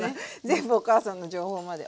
全部お母さんの情報まで。